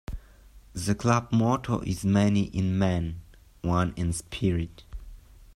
The club motto is "Many in Men, One in Spirit".